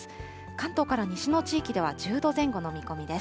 関東から西の地域では１０度前後の見込みです。